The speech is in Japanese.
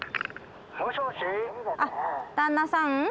あっ旦那さん？